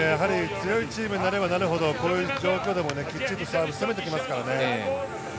強いチームになればなるほど、こういう状況でもしっかりサーブ、攻めてきますからね。